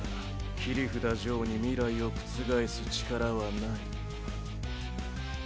切札ジョーに未来を覆す力はない。